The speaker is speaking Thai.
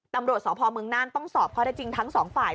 ตำรวจสพเมืองน่านต้องสอบข้อได้จริงทั้งสองฝ่าย